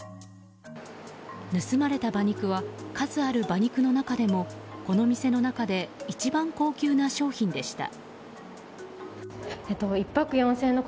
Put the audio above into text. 盗まれた馬肉は数ある馬肉の中でもこの店の中で一番高級な商品でした。